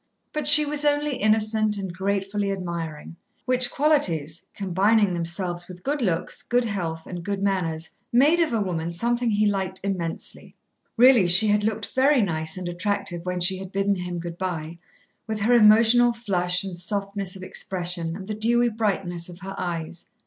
But she was only innocent and gratefully admiring, which qualities, combining themselves with good looks, good health, and good manners, made of a woman something he liked immensely. Really she had looked very nice and attractive when she had bidden him good by, with her emotional flush and softness of expression and the dewy brightness of her eyes.